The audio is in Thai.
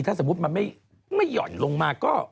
ถ้าสมมุติมันไม่ห่อนลงมาก็